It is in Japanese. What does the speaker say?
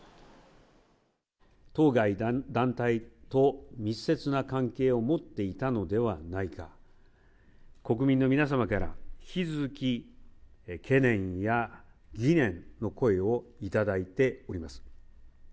当該団体と密接な関係を持っていたのではないか、国民の皆様から引き続き懸念や疑念の声を頂いております。